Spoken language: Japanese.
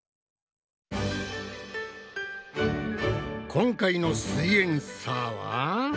今回の「すイエんサー」は。